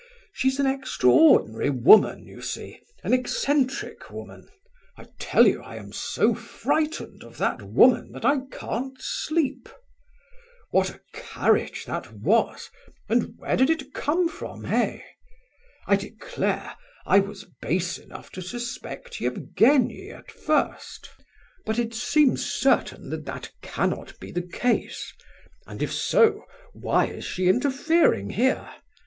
She's an extraordinary woman, you see, an eccentric woman; I tell you I am so frightened of that woman that I can't sleep. What a carriage that was, and where did it come from, eh? I declare, I was base enough to suspect Evgenie at first; but it seems certain that that cannot be the case, and if so, why is she interfering here?